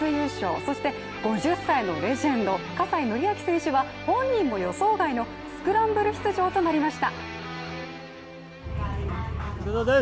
そして５０歳のレジェンド・葛西紀明選手は本人も予想外のスクランブル出場となりました